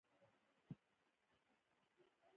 ایا ستاسو مسکا د زړه له تله نه ده؟